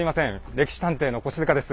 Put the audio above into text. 「歴史探偵」の越塚です。